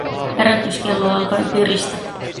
Herätyskello alkoi piristä.